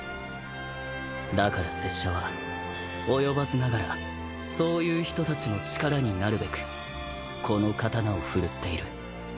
だから拙者は及ばずながらそういう人たちの力になるべくこの刀を振るっている。